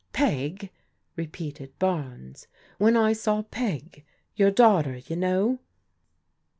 " "Peg," repeated Barnes; "when I saw P^^ — ^your daughter, you know."